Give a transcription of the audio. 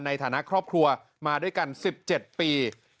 ในฐานะครอบครัวมาด้วยกัน๑๗ปี